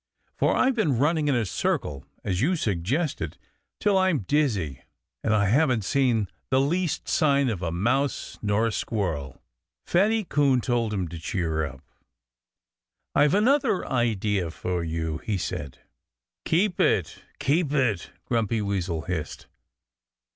For I've been running in a circle (as you suggested) till I'm dizzy; and I haven't seen the least sign of a mouse nor a squirrel." Fatty Coon told him to cheer up. "I've another idea for you," he said. "Keep it! Keep it!" Grumpy Weasel hissed.